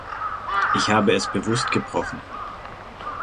Ich habe es bewusst gebrochen.